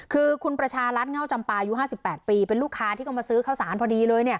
คือคุณประชารัฐเง่าจำปายุ๕๘ปีเป็นลูกค้าที่ก็มาซื้อข้าวสารพอดีเลยเนี่ย